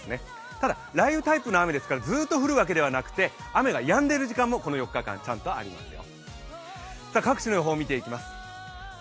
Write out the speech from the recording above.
ただ雷雨タイプの雨ですからずっと降るタイプではなくて雨がやんでいる時間帯もこの４日間、ちゃんとありますよ。